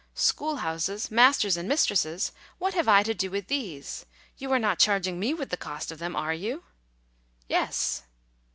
" School houses, masters and mistresses — what have I to do with these ? you are not charging me with the cost of them, are you ?" "Yes."